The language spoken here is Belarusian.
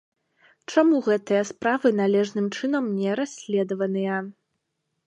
Чаму гэтыя справы належным чынам не расследаваныя?